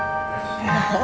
oke sampai ke lingkungan baru